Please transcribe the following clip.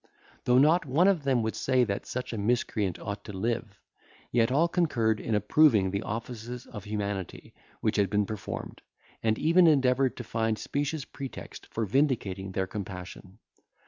Though not one of them would say that such a miscreant ought to live, yet all concurred in approving the offices of humanity which had been performed, and even endeavoured to find specious pretext for vindicating their compassion.